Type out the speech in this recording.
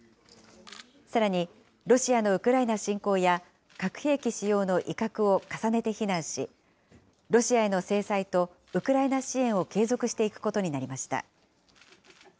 さらにロシアのウクライナ侵攻や、核兵器使用の威嚇を重ねて非難し、ロシアへの制裁とウクライナ支援を継続していくことになりました。